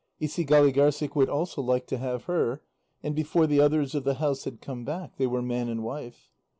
Isigâligârssik would also like to have her, and before the others of the house had come back, they were man and wife.